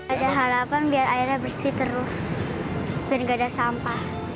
ada harapan biar airnya bersih terus biar nggak ada sampah